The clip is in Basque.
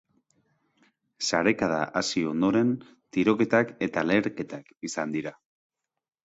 Sarekada hasi ondoren tiroketak eta leherketak izan dira.